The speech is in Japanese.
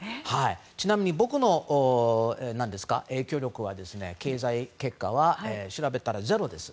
ちなみに僕の影響力は経済結果は調べたらゼロです。